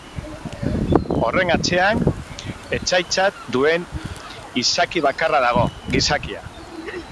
Horren atzean etsaitzat duen izaki bakarra dago: Gizakia.